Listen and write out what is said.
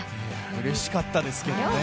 うれしかったですけどね。